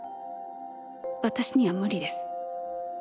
私には無理です。